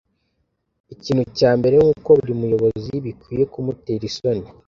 ikintu cya mbere ni uko buri muyobozi bikwiye kumutera isoni